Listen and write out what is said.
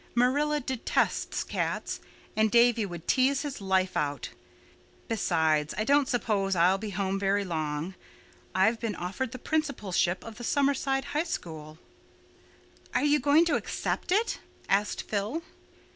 Marilla detests cats, and Davy would tease his life out. Besides, I don't suppose I'll be home very long. I've been offered the principalship of the Summerside High School." "Are you going to accept it?" asked Phil.